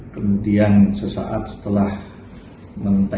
kemudian sesaat setelah mentah